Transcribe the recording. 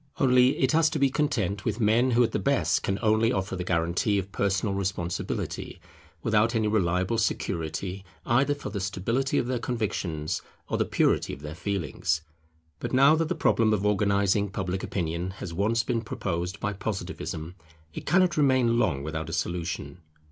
Only it has to be content with men who at the best can only offer the guarantee of personal responsibility, without any reliable security either for the stability of their convictions or the purity of their feelings. But now that the problem of organizing Public Opinion has once been proposed by Positivism, it cannot remain long without a solution.